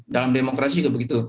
dalam demokrasi juga begitu